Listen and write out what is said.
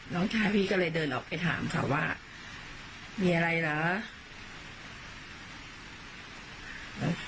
น้องชายพี่ก็เลยเดินออกไปถามเขาว่ามีอะไรเหรอ